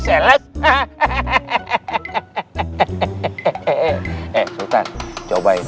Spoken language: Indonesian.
masa ganteng ganteng mungkin jadi seles